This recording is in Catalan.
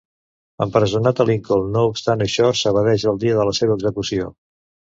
Empresonat a Lincoln, no obstant això s'evadeix el dia de la seva execució.